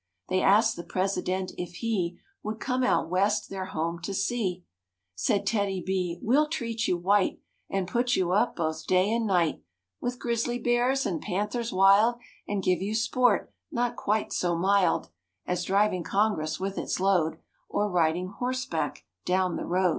They asked the President if he Would come out West their home to see; Said TEDDY B, "Well treat you white And put you up both day and night With grizzly bears and panthers wild And give you sport not quite so mild As driving Congress with its load, Or ridiner horseback down the road."